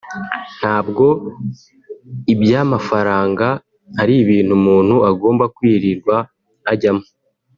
ntabwo iby’amafaranga ari ibintu umuntu agomba kwirirwa ajyamo”